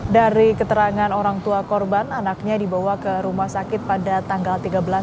dari keterangan orang tua korban anaknya dibawa ke rumah sakit pada tanggal tiga belas